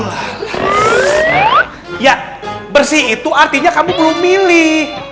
ya bersih itu artinya kamu belum milih